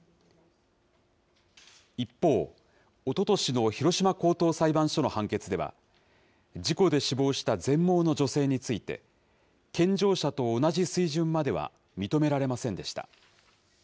一方、おととしの広島高等裁判所の判決では、事故で死亡した全盲の女性について、健常者と同じ水準までは認められませんでした。